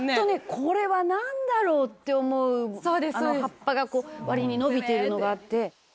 これはなんだろう？って思う葉っぱが割に伸びているのがあって。